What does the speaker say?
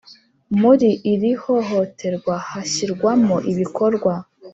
Muri iri hohoterwa hashyirwamo ibikorwa